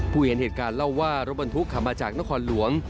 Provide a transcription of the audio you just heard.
เห็นเหตุการณ์เล่าว่ารถบรรทุกขับมาจากนครหลวง